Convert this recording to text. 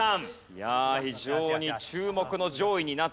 いやあ非常に注目の上位になってきました。